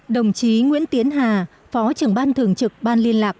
đồng chí nguyễn tiến hà phó trưởng ban thường trực ban liên lạc